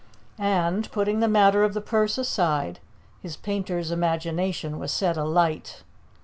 And, putting the matter of the purse aside, his painter's imagination was set alight.